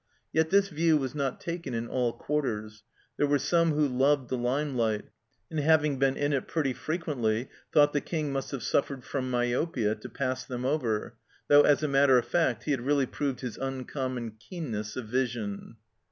Yet this view was not taken in all quarters ; there were some who loved the limelight, and having been in it pretty frequently, thought the King must have suffered from myopia to pass them over, though as a matter of fact he had really proved his uncommon keen ness of vision.